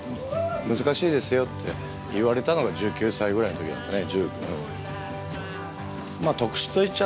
難しいですよ」って言われたのが１９歳ぐらいの時だったね。